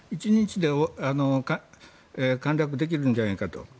１日で陥落できるんじゃないかと。